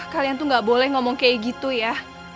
kalian tuh gak boleh ngomong kayak gitu ya